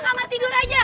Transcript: kamar tidur aja